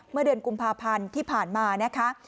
เมื่อเดือนกุมภาพันธ์ที่ผ่านมานะคะ